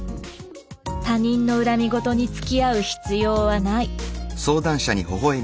他人の恨みごとにつきあう必要はない。